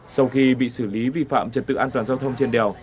sau khi bị xử lý vi phạm trật tự an toàn giao thông trên đèo